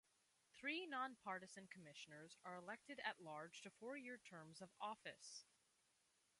Three non-partisan commissioners are elected at-large to four-year terms of office.